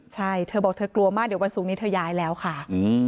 ใช่เธอบอกเธอกลัวมากเดี๋ยววันศุกร์นี้เธอย้ายแล้วค่ะ